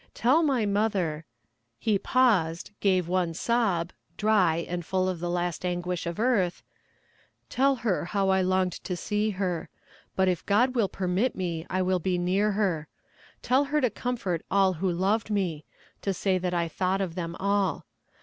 Tell my mother' he paused, gave one sob, dry, and full of the last anguish of earth 'tell her how I longed to see her; but if God will permit me I will be near her. Tell her to comfort all who loved me; to say that I thought of them all.